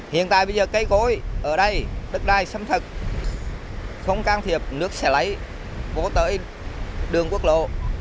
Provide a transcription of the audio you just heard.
hiện tại bây giờ cây gối ở đây đất đai xâm thực không can thiệp nước sẽ lấy vô tới đường quốc lộ